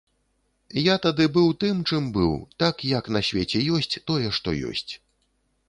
Я тады быў тым, чым быў, так, як на свеце ёсць тое, што ёсць.